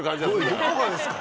どこがですか。